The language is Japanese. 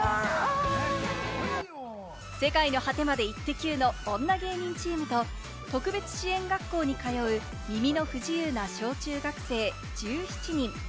『世界の果てまでイッテＱ！』の女芸人チームと特別支援学校に通う耳の不自由な小・中学生１７人。